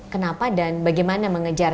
kenapa dan bagaimana mengejar